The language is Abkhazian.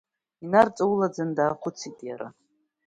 Инарҵаулаӡан даахәыцит иара.